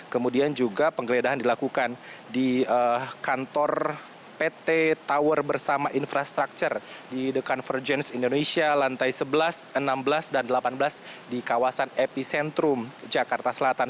kemudian juga penggeledahan dilakukan di kantor pt tower bersama infrastructure di the convergence indonesia lantai sebelas enam belas dan delapan belas di kawasan epicentrum jakarta selatan